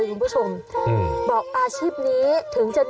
เบื้องต้น๑๕๐๐๐และยังต้องมีค่าสับประโลยีอีกนะครับ